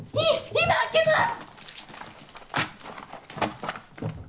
今開けます！